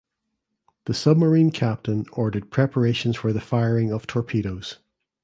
The submarine captain ordered preparations for the firing of torpedoes.